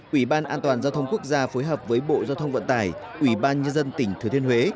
ủy ban an toàn giao thông quốc gia phối hợp với bộ giao thông vận tải ủy ban nhân dân tỉnh thừa thiên huế